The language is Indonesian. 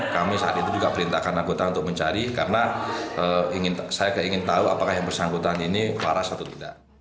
kami saat itu juga perintahkan anggota untuk mencari karena saya ingin tahu apakah yang bersangkutan ini waras atau tidak